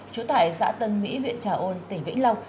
trú tại xã tân mỹ huyện trà ôn tỉnh vĩnh long